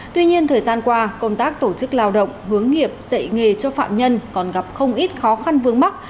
tuy nhiên thời gian qua công tác tổ chức lao động hướng nghiệp dạy nghề cho phạm nhân còn gặp không ít khó khăn vướng mắt